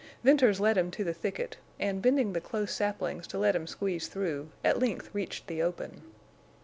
Venters led him to the thicket, and, bending the close saplings to let him squeeze through, at length reached the open.